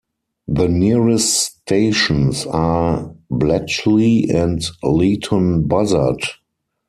The nearest stations are Bletchley and Leighton Buzzard.